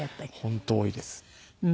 本当多いです。